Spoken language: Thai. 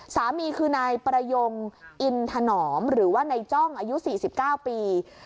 สามีคือนายประยงอินถนอมหรือว่านายจ้องอายุ๔๙ปี